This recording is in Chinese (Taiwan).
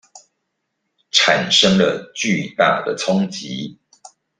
產生了巨大的衝擊